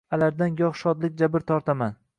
Alardan gox shodlik jabr tortaman